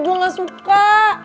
gue gak suka